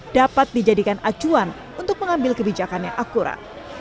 dapat dijadikan acuan untuk mengambil kebijakan yang akurat